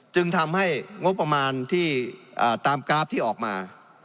จึงทำให้งบประมาณที่ตามกราฟที่ออกมา